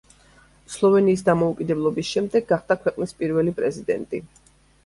სლოვენიის დამოუკიდებლობის შემდეგ გახდა ქვეყნის პირველი პრეზიდენტი.